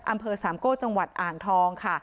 อำเภอสามโก้จังหวัดอ่างทองค่ะ